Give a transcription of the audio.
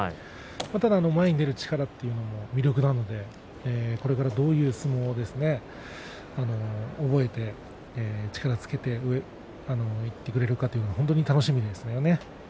ただ前に出る力というのも魅力なのでこれから、どういう相撲を覚えて力をつけて上にいってくれるのか本当に楽しみですよね。